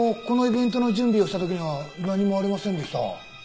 このイベントの準備をした時には何もありませんでした。